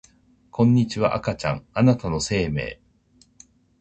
こんにちは赤ちゃんあなたの生命